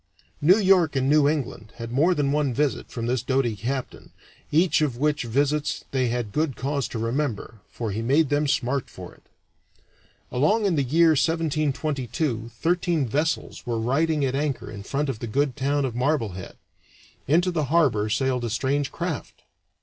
New York and New England had more than one visit from the doughty captain, each of which visits they had good cause to remember, for he made them smart for it. Along in the year 1722 thirteen vessels were riding at anchor in front of the good town of Marblehead. Into the harbor sailed a strange craft.